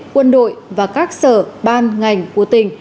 quân đội và các sở ban ngành của tỉnh